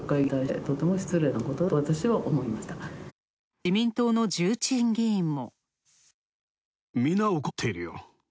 自民党の重鎮議員も。